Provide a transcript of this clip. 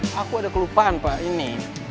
aku ada kelupaan pak ini